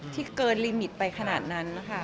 ที่เกินลิมิตไปขนาดนั้นนะคะ